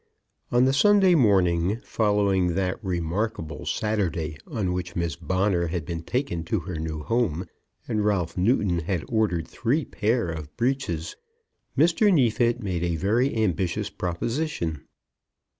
On the Sunday morning following that remarkable Saturday on which Miss Bonner had been taken to her new home and Ralph Newton had ordered three pair of breeches, Mr. Neefit made a very ambitious proposition.